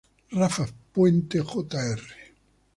Rafa Puente Jr.